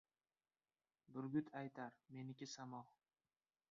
Burgut aytar: meniki samo!